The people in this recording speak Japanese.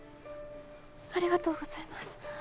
ありがとうございます。